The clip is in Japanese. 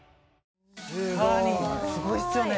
はいすごいっすよね